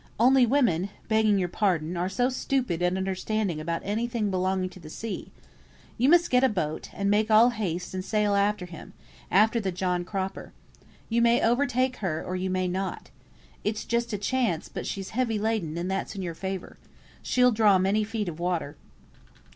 Only women (begging your pardon) are so stupid at understanding about any thing belonging to the sea; you must get a boat, and make all haste, and sail after him, after the John Cropper. You may overtake her, or you may not. It's just a chance; but she's heavy laden, and that's in your favour. She'll draw many feet of water."